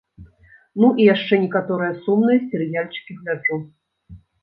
Ну і яшчэ некаторыя сумныя серыяльчыкі гляджу.